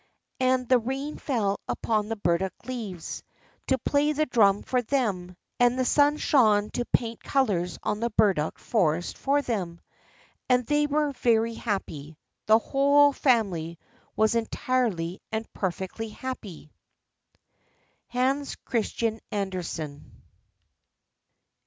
And the rain fell upon the burdock leaves, to play the drum for them, and the sun shone to paint colors on the burdock forest for them, and they were very happy; the whole family was entirely and perfectly happy. HANS CHRISTIAN ANDERSEN.